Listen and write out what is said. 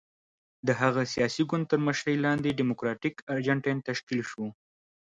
د هغه سیاسي ګوند تر مشرۍ لاندې ډیموکراتیک ارجنټاین تشکیل شو.